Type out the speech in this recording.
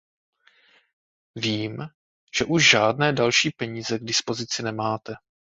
Vím, že už žádné další peníze k dispozici nemáte.